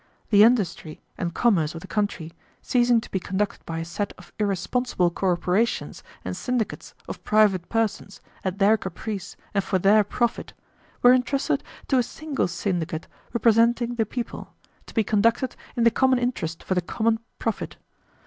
The industry and commerce of the country, ceasing to be conducted by a set of irresponsible corporations and syndicates of private persons at their caprice and for their profit, were intrusted to a single syndicate representing the people, to be conducted in the common interest for the common profit.